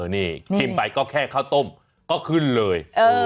นี่ชิมไปก็แค่ข้าวต้มก็ขึ้นเลย